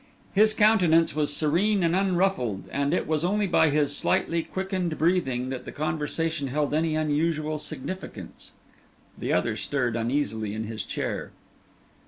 His countenance was serene and unruffled, and it was only by his slightly quickened breathing that the conversation held any unusual significance. The other stirred uneasily in his chair.